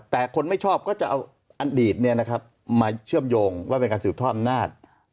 แต่คนไม่ชอบก็จะเอาอดีตมาเชื่อมโยงว่าเป็นการสืบทอดอำนาจ